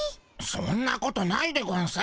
そんなことないでゴンス。